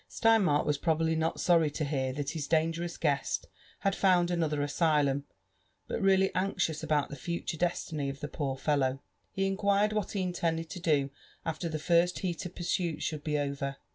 Steinmark was probably not sorry to hear that his dangerous guetjt had found another asylum ; but really anxious about the future destiny of the poor fellow, ho inquired what he intended to do after the first heat of pursuit should be over.